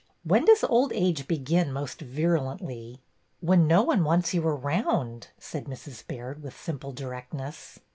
When does old age begin most virulently?" " When no one wants you around," said Mrs. Baird, with simple directness.